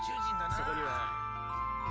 そこには。